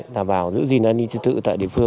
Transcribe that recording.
đảm bảo giữ gìn an ninh trật tự